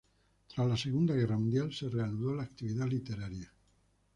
Tras la Segunda Guerra Mundial se reanudó la actividad literaria.